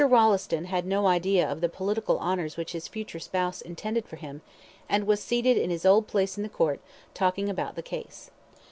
Rolleston had no idea of the political honours which his future spouse intended for him, and was seated in his old place in the court, talking about the case.